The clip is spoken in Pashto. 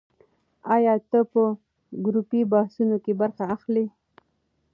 ایا ته په ګروپي بحثونو کې برخه اخلې؟